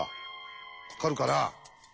分かるかな？